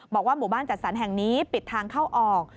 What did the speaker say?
บอกว่าหมู่บ้านจัดสรรแห่งนี้ปิดทางเข้าออก